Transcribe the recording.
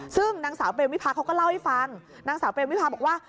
ซึ่งนางสาวเปรมวิพาเขาก็เล่าให้ฟังนางสาวเปรมวิพาบอกว่า